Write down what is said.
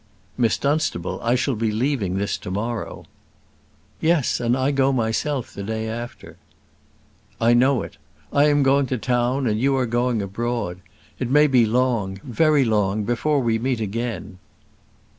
"Miss Dunstable; I shall be leaving this to morrow." "Yes; and I go myself the day after." "I know it. I am going to town and you are going abroad. It may be long very long before we meet again."